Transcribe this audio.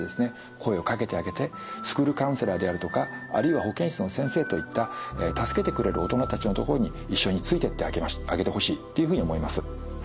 声をかけてあげてスクールカウンセラーであるとかあるいは保健室の先生といった助けてくれる大人たちのところに一緒についていってあげてほしいっていうふうに思います。